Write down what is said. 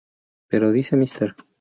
Pero dice Mr.